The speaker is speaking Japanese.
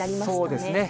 そうですね。